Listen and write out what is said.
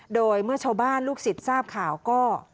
โดยเมื่อชาวบ้านลูกศิษย์ทราบข่าวก็